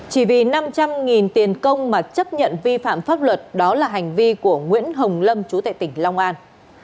chỉ vì năm trăm linh tiền công mà chấp nhận vi phạm pháp luật đó là hành vi của nguyễn hồng lâm chú tại tỉnh long an